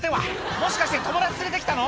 「もしかして友達連れて来たの？」